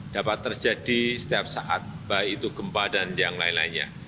dapat terjadi setiap saat baik itu gempa dan yang lain lainnya